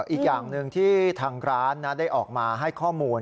อีกอย่างหนึ่งที่ทางร้านได้ออกมาให้ข้อมูล